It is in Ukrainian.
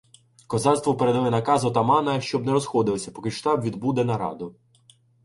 Козацтву передали наказ отамана, щоб не розходилися, поки штаб відбуде нараду.